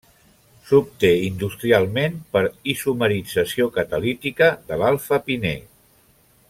S'obté industrialment per isomerització catalítica de l'alfa-pinè.